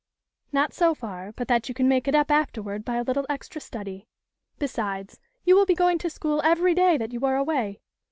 " Not so far but that you can make it up afterward by a little extra study. Besides, you will be going to school every day that you are away.